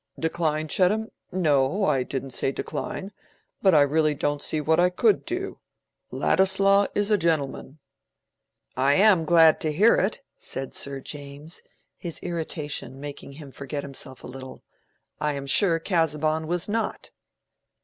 "Decline, Chettam?—no—I didn't say decline. But I really don't see what I could do. Ladislaw is a gentleman." "I am glad to hear it!" said Sir James, his irritation making him forget himself a little. "I am sure Casaubon was not."